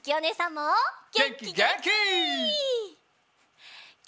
げんきげんき！